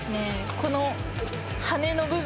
このはねの部分。